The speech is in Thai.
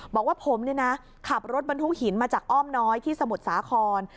บอกว่าผมเนี่ยนะขับรถบรรทุกหินมาจากอ้อมน้อยที่สมุทรสาคร